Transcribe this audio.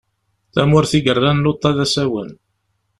Tamurt i yerran luḍa d asawen.